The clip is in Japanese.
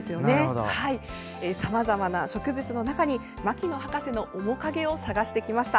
さまざまな植物の中に牧野博士の面影を探してきました。